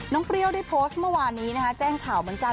เปรี้ยวได้โพสต์เมื่อวานนี้นะคะแจ้งข่าวเหมือนกัน